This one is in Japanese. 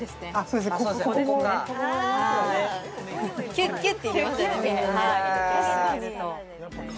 キュッキュッて入れますよね